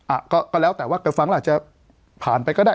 อ่ะก็แล้วแต่ว่าไปฟังแล้วอาจจะผ่านไปก็ได้